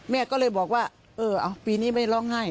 แม่ก็เลยบอกว่าเออปีนี้ไม่ร้องไห้